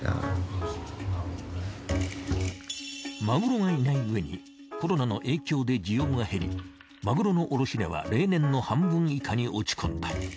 マグロがいないうえにコロナの影響で需要が減りマグロの卸値は例年の半分以下に落ち込んだ。